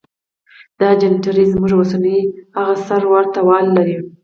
دا جنتري زموږ اوسنۍ هغې سره ورته والی لري.